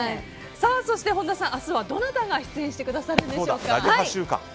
本田さん、明日はどなたが出演してくださるんでしょうか。